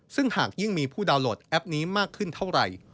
ซึ่งหากยิ่งมีผู้ดาวนโหลดแอปนี้มากขึ้นเท่าไหร่